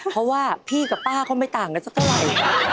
เพราะว่าพี่กับป้าก็ไม่ต่างกันสักเท่าไหร่